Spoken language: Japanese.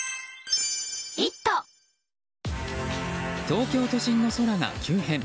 東京都心の空が急変。